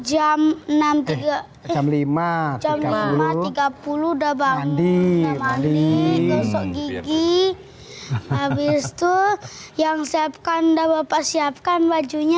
jam enam tiga puluh lima tiga puluh udah bangun mandi mandi gosok gigi habis tuh yang siapkan dawa pas siapkan bajunya